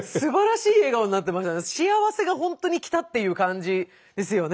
幸せが本当に来たっていう感じですよね。